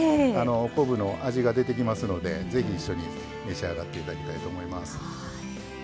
昆布の味が出てきますのでぜひ一緒に召し上がっていただきたいと思います。